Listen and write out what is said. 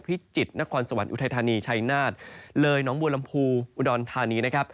พิจิตรนครสวรรค์อุทัยธานีชัยนาศเลยน้องบูรรมภูอุดอนธานี